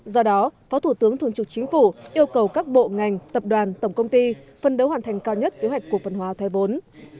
do đó phó thủ tướng thường trực chính phủ yêu cầu các bộ ngành tập đoàn tổng công ty phân đấu hoàn thành cao nhất kế hoạch cổ phần hóa thoái vốn